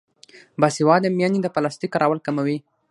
باسواده میندې د پلاستیک کارول کموي.